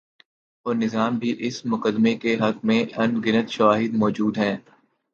اورنظام بھی اس مقدمے کے حق میں ان گنت شواہد مو جود ہیں۔